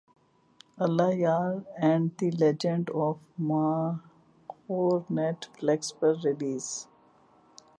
Allah Yar and the legend of Markhor Netflix پر release